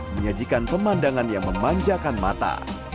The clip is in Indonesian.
menyajikan pemandangan yang memanjakan mata